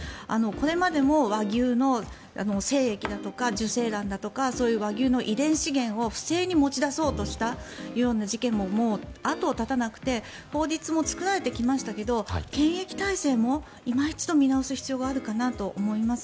これまでも和牛の精液だとか受精卵だとかそういう和牛の遺伝資源を不正に持ち出そうとしたような事件ももう後を絶たなくて法律も作られてきましたけど検疫体制もいま一度見直す必要があるかなと思います。